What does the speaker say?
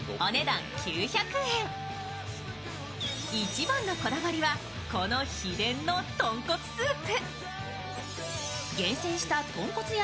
一番のこだわりはこの秘伝の豚骨スープ。